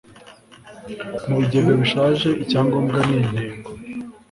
Mubigega bishaje Icyangombwa ni intego